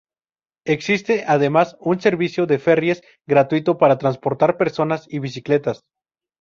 Existe además un servicio de "ferries" gratuito para transportar personas y bicicletas.